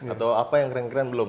atau apa yang keren keren belum